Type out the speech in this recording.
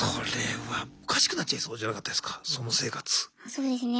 そうですね